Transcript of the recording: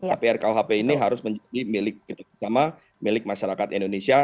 tapi rkuhp ini harus menjadi milik kita bersama milik masyarakat indonesia